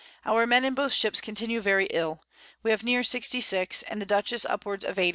Our Men in both Ships continue very ill; we have near 60 sick, and the Dutchess upwards of 80.